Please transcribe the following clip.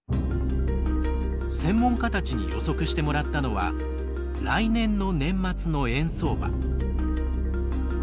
専門家たちに予測してもらったのは来年の年末の円相場。